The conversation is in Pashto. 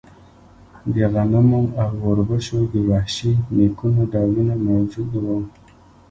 د غنمو او اوربشو د وحشي نیکونو ډولونه موجود وو.